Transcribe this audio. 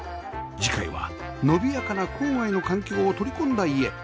次回はのびやかな郊外の環境を取り込んだ家